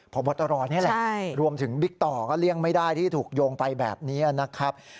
พบตรนี่แหละรวมถึงบิ๊กต่อก็เลี่ยงไม่ได้ที่ถูกโยงไปแบบนี้นะครับ